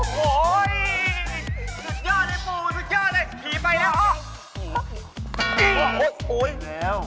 ขี่ไปแล้ว